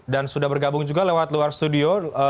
dan sudah bergabung juga lewat luar studio